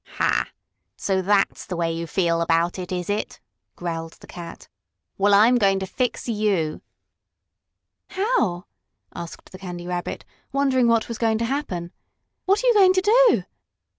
"Ha! So that's the way you feel about it, is it?" growled the cat. "Well, I'm going to fix you!" "How?" asked the Candy Rabbit, wondering what was going to happen. "What are you going to do?"